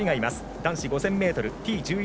男子５０００ｍＴ１１